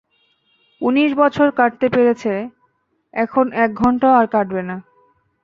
উনিশ বছর কাটতে পেরেছে, এখন এক ঘণ্টাও আর কাটবে না।